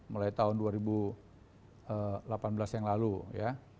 mulai tahun dua ribu delapan belas yang lalu ya